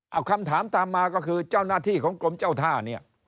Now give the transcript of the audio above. เอาคำถามตามมาก็คือเจ้าหน้าที่ของกรมเจ้าท่าเนี่ย